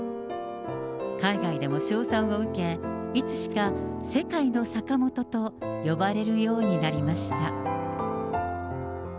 海外でも称賛を受け、いつしか、世界のサカモトと呼ばれるようになりました。